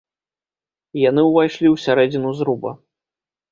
Яны ўвайшлі ў сярэдзіну зруба.